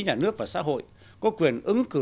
nhà nước và xã hội có quyền ứng cử